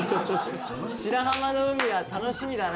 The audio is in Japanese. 白浜の海は楽しみだな。